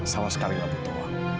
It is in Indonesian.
sama sekali nggak butuh uang